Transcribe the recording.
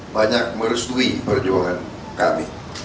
banyak merestui perjuangan kami